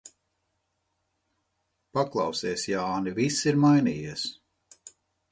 Paklausies, Jāni, viss ir mainījies.